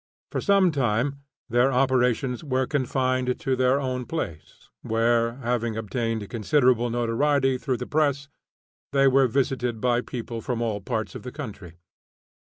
For some time, their operations were confined to their own place, where, having obtained considerable notoriety through the press, they were visited by people from all parts of the country.